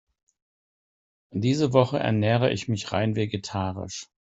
Diese Woche ernähre ich mich rein vegetarisch.